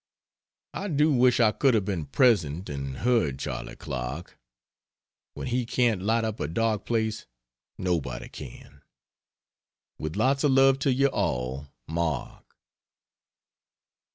I do wish I could have been present and heard Charley Clark. When he can't light up a dark place nobody can. With lots of love to you all. MARK.